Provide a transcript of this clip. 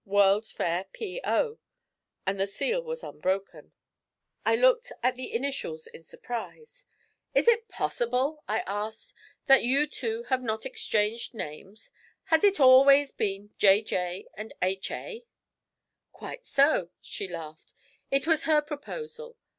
World's Fair P.O.,' and the seal was unbroken. I looked at the initials in surprise. 'Is it possible,' I asked, 'that you two have not exchanged names? Has it always been J. J. and H. A.?' 'Quite so,' she laughed. 'It was her proposal.